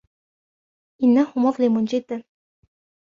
إنه مظلم جداً.